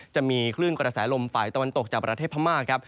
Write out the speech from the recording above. จะมีคลื่นกระแสลมฝ่ายตะวันตกจากประเทศพม่าครับ